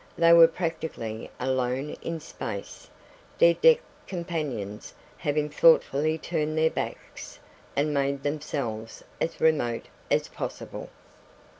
They were practically alone in space, their deck companions having thoughtfully turned their backs and made themselves as remote as possible.